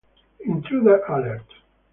Intruder alert.